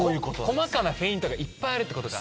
細かなフェイントがいっぱいあるって事か。